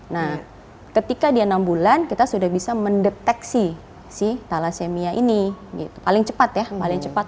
nah ketika dia enam bulan kita sudah bisa mendeteksi si thalassemia ini paling cepat ya paling cepat